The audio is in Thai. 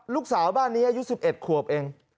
ลูกสาวบ้านนี้อายุ๑๑ขวบเอง